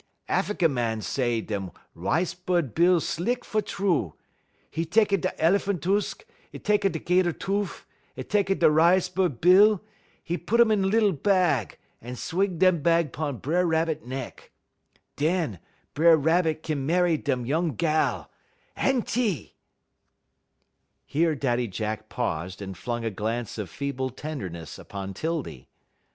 Affiky mans says dem rice bud bill slick fer true. 'E tekky da el'phan' tush, 'e tekky da 'gater toof, 'e tekky da rice bud bill, he pit um in lil bag; 'e swing dem bag 'pon B'er Rabbit neck. Den B'er Rabbit kin marry dem noung gal. Enty!" Here Daddy Jack paused and flung a glance of feeble tenderness upon 'Tildy.